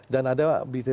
dan ada berita berita lain